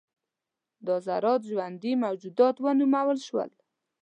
دا ذرات ژوندي موجودات ونومول شول.